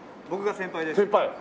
僕が先輩です。